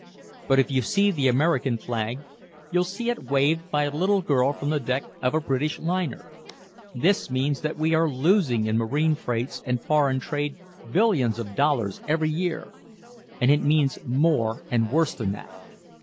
But if you see the American flag you'll see it waved by a little girl from the deck of a British liner. This means that we are losing in marine freights and foreign trade billions of dollars every year. And it means more and worse than that.